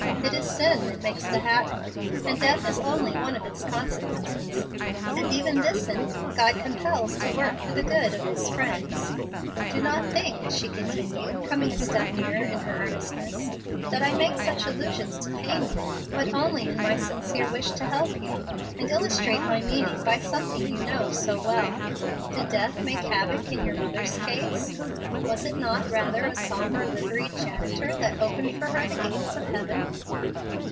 It is sin that makes the havoc, and death is only one of its consequences. And even this enemy God compels to work for the good of His friends. Do not think," she continued, coming a step nearer in her earnestness, "that I make such allusions to pain you, but only in my sincere wish to help you, and illustrate my meaning by something you know so well. Did death make havoc in your mother's case? Was it not rather a sombre liveried janitor that opened for her the gates of heaven?"